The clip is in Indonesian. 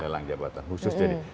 lelang jabatan khusus jadi